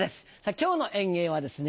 今日の演芸はですね